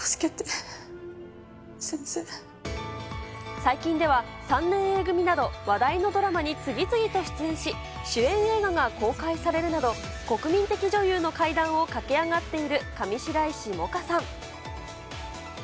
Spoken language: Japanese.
最近では３年Ａ組など話題のドラマに次々と出演し、主演映画が公開されるなど、国民的女優の階段を駆け上がっている上白石萌歌さん。